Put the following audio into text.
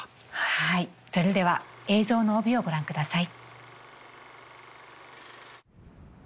はいそれでは映像の帯をご覧ください。